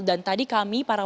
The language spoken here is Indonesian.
dan tadi kami para wartawan